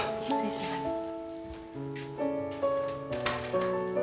失礼します。